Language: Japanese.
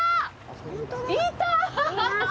いた！